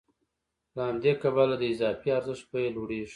له همدې کبله د اضافي ارزښت بیه لوړېږي